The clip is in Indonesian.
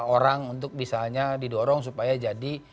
orang untuk misalnya didorong supaya jadi